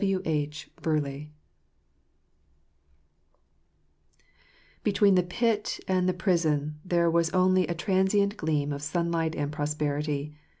" W. H. Burleigh, ETWEEN the pit and the prison there was only a transient gleam of sunlight and prosperity.